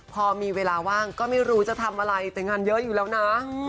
พอมีเวลาว่างก็ไม่รู้จะทำอะไรแต่งานเยอะอยู่แล้วนะ